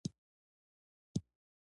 ایا زما سترګې روغې دي؟